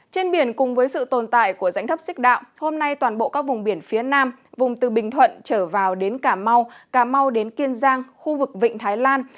trên biển cùng với sự tồn tại của rãnh thấp xích đạo hôm nay toàn bộ các vùng biển phía nam vùng từ bình thuận trở vào đến cà mau cà mau đến kiên giang khu vực vịnh thái lan